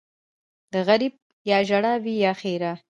ـ د غريب يا ژړا وي يا ښېرا.